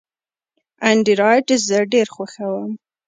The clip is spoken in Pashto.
انډرایډ زه ډېر خوښوم.